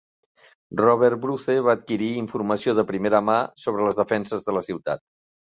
Robert Bruce va adquirir informació de primera mà sobre les defenses de la ciutat.